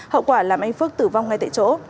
hậu quả làm anh phước tử vong ngay tại chỗ